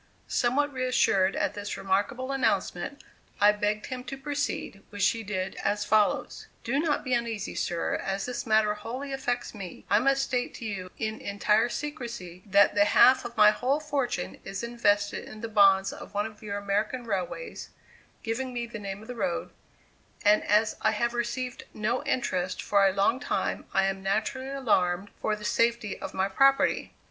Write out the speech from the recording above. Somewhat reassured at this remarkable announcement, I begged him to proceed, which he did as follows: "Do not be uneasy, sir, as this matter wholly affects me; I must state to you in entire secrecy that the half of my whole fortune is invested in the bonds of one of your American railways (giving me the name of the road), and as I have received no interest for a long time I am naturally alarmed for the safety of my property.